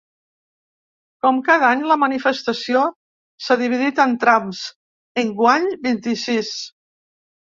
Com cada any, la manifestació s’ha dividit en trams, enguany vint-i-sis.